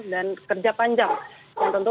dan kerja panjang yang tentu